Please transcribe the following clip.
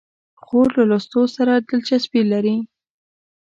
خور له لوستو سره دلچسپي لري.